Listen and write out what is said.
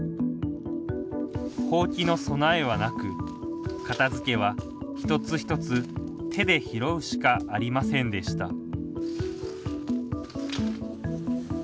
ほうきの備えはなく片づけは一つ一つ手で拾うしかありませんでした